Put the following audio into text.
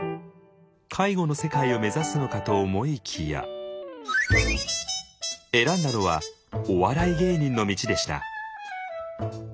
介護の世界を目指すのかと思いきや選んだのはお笑い芸人の道でした。